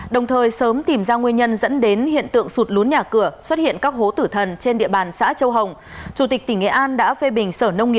đồng thời sớm tìm ra nguyên nhân dẫn đến hiện tượng sụt lún nhà cửa xuất hiện các hố tử thần trên địa bàn xã châu hồng